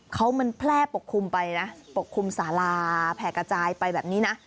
เขามันแพร่ปกคลุมไปนะปกคลุมสาราแผ่กระจายไปแบบนี้นะ